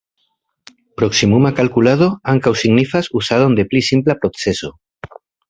Proksimuma kalkulado ankaŭ signifas uzadon de pli simpla procezo.